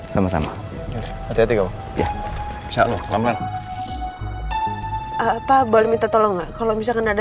sama sama hati hati ya bisa lo sama apa boleh minta tolong kalau misalkan ada